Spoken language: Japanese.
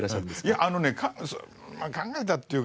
いやあのねまあ考えたっていうかね